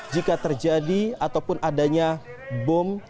jika terjadi ataupun adanya bom